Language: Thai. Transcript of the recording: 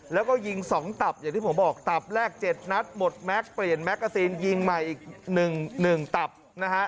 แล้วก็ยิง๒ตับอย่างที่ผมบอกตับแรก๗นัดหมดแม็กซ์เปลี่ยนแมกกาซีนยิงใหม่อีก๑ตับนะฮะ